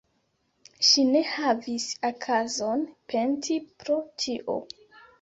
Ŝi ne havis okazon penti pro tio.